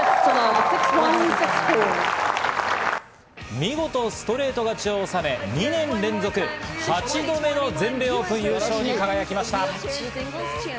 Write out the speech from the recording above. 見事ストレート勝ちを収め、２年連続８度目の全米オープン優勝に輝きました。